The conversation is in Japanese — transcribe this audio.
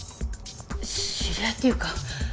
知り合いっていうか